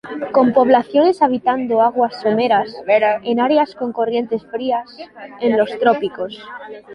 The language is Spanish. Con poblaciones habitando aguas someras, en áreas con corrientes frías, en los trópicos.